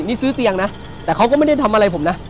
นี่ซื้อเตียงนะแต่เขาก็ไม่ได้ทำอะไรผมนะ